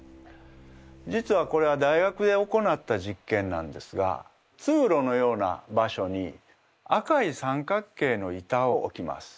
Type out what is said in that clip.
実はこれは大学で行った実験なんですが通路のような場所に赤い三角形の板を置きます。